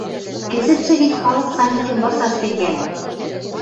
Кӹзӹтшӹ гӹнь халык Савикӹм вырсаш тӹнгальӹ.